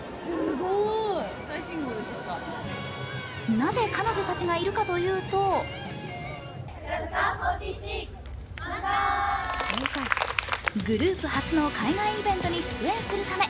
なぜ、彼女たちがいるかというとグループ初の海外イベントに出演するため。